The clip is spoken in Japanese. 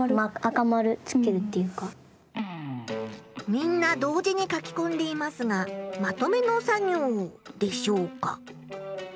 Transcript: みんな同時に書きこんでいますがまとめの作業でしょうか？